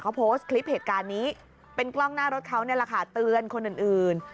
เขาโพสต์คลิปเหตุการณ์นี้เป็นกล้องหน้ารถเขานี่แหละค่ะเตือนคนอื่น